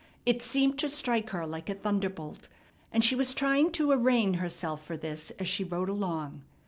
It seemed to strike her like a thunderbolt, and she was trying to arraign herself for this as she rode along.